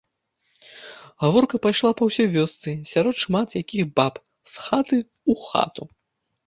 Гаворка пайшла па ўсёй вёсцы, сярод шмат якіх баб, з хаты ў хату.